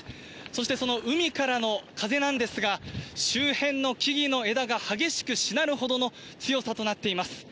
そしてその海からの風なんですが、周辺の木々の枝が激しくしなるほどの強さとなっています。